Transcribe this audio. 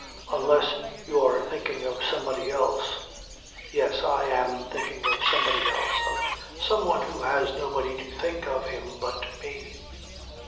Unless you are thinking of somebody else." "Yes. I am thinking of somebody else, of someone who has nobody to think of him but me."